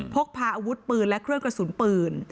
พกพาอาวุธปืนและเครื่องกระสุนปืน